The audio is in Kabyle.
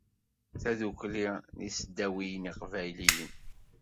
Tadukli n iseddawiyen iqbayliyen